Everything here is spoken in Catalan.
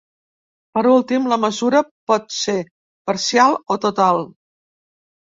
Per últim, la mesura pot ser parcial o total.